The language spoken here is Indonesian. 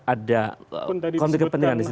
ada konflik kepentingan di situ